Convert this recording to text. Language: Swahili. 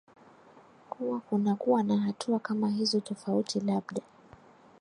kuwa kunakuwa na hatua kama hizo tofauti labda